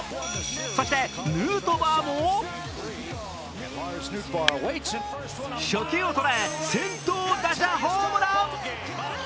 そしてヌートバーも初球を捉え先頭打者ホームラン。